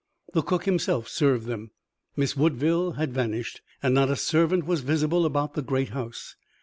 The cook himself served them. Miss Woodville had vanished, and not a servant was visible about the great house.